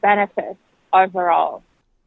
dan peningkatan jaringan juga